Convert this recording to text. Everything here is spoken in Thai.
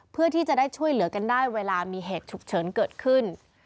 เพื่อที่จะได้ช่วยเหลือกันได้เวลามีเหตุฉุกเฉินเกิดขึ้น